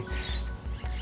emang tinggal sedikit sih